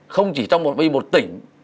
không chỉ trong một tỉnh